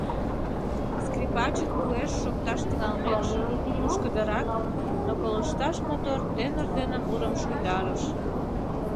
Скрипачын уэш шокташ тӱҥалмекше, лушкыдырак, но колышташ мотор тенор дене мурым шуйдарыш.